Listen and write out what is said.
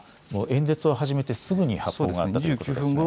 演説を始めてすぐに発砲があったということですか。